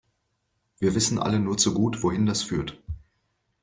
Wir wissen alle nur zu gut, wohin das führt.